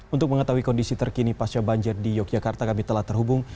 untuk mengetahui kondisi terkini pasca banjir di yogyakarta kami telah terhubung